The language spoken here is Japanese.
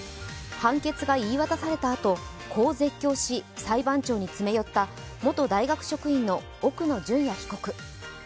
判決が言い渡されたあと、こう絶叫し、裁判長に詰め寄った元大学職員の奥野淳也被告。